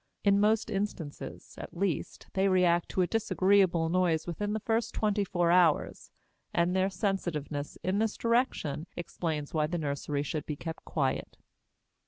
In most instances, at least, they react to a disagreeable noise within the first twenty four hours, and their sensitiveness in this direction explains why the nursery should be kept quiet.